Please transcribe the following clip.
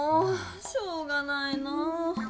しょうがないなぁ。